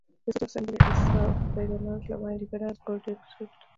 The City of Sun Valley is served by the North Lamar Independent School District.